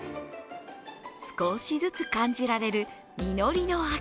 少しずつ感じられる実りの秋。